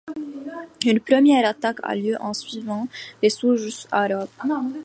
Une première attaque a lieu en suivant les sources arabes.